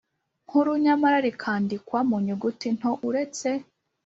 nkuru Nyamara rikandikwa mu nyuguti nto uretse